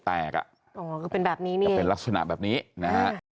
อักษณะแบบนี้นะฮะ